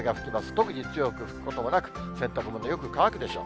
特に強く吹くこともなく、洗濯物もよく乾くでしょう。